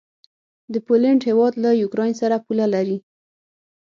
د پولينډ هيواد له یوکراین سره پوله لري.